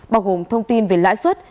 bao gồm thông tin về lãi suất